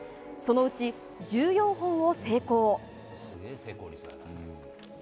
そのうち１４本を成功。